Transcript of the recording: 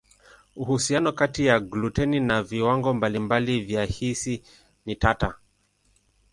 Uhusiano kati ya gluteni na viwango mbalimbali vya hisi ni tata.